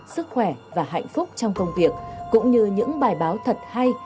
sức khỏe và hạnh phúc trong công việc cũng như những bài báo thật hay